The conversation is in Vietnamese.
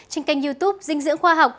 trên kênh youtube dinh dưỡng khoa học